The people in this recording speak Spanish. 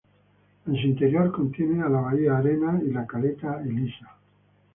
En su interior contiene a la bahía Arena y la caleta Elisa.